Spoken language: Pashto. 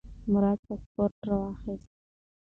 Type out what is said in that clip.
مراد پاسپورت راواخیست.